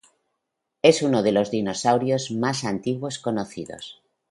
Es uno de los dinosaurios más antiguos conocidos.